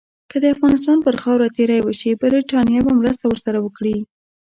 که د افغانستان پر خاوره تیری وشي، برټانیه به مرسته ورسره وکړي.